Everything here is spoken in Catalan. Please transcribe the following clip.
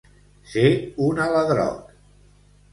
Ser un aladroc.